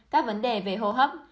một các vấn đề về hô hấp